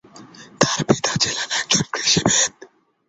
তার পিতা ছিলেন একজন কৃষিবিদ।